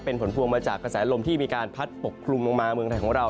เป็นผลพวงมาจากกระแสลมที่มีการพัดปกคลุมลงมาเมืองไทยของเรา